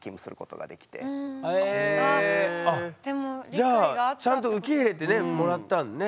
じゃあちゃんと受け入れてもらったのね。